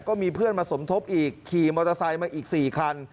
ก็มีเพื่อนมาสมทบอีกขี่มอเตอร์ไซค์มาอีก๔คัน